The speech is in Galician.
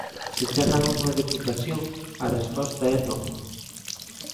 Se chegan a unha deputación, a resposta é non.